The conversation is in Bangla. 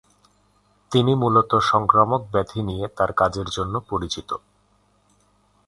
তিনি মূলত সংক্রামক ব্যাধি নিয়ে তার কাজের জন্য পরিচিত।